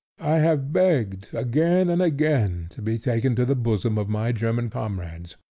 I have begged again and again to be taken to the bosom of my German comrades.